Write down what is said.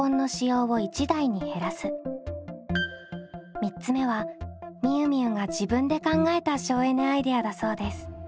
３つ目はみゆみゆが自分で考えた省エネアイデアだそうです。